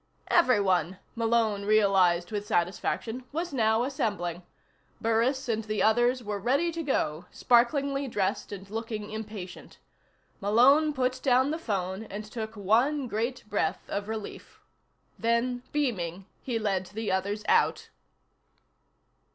Everyone, Malone realized with satisfaction, was now assembling. Burris and the others were ready to go, sparklingly dressed and looking impatient. Malone put down the phone and took one great breath of relief. Then, beaming, he led the others out.